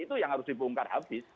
itu yang harus dibongkar habis